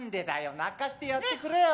鳴かせてやってくれよ。